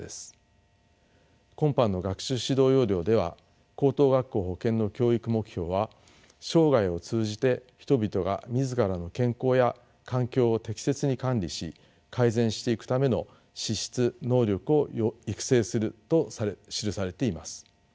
今般の学習指導要領では高等学校保健の教育目標は「生涯を通じて人々が自らの健康や環境を適切に管理し改善していくための資質能力を育成する」と記されています。